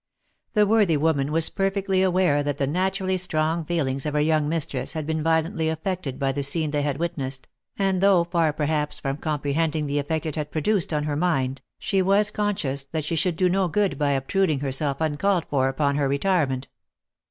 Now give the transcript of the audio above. The worthy woman was perfectly aware that the naturally strong OF MICHAEL ARMSTRONG. 149 feelings of her young mistress had been violently affected by the scene they had witnessed, and though far perhaps from comprehending the effect it had produced on her mind, she was conscious that she should do no good by obtruding herself uncalled for upon her retirement.